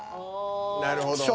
なるほど。